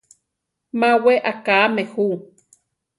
Má wé akáme jú.